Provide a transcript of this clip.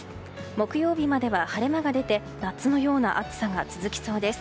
木曜日までは晴れ間が出て夏のような暑さが続きそうです。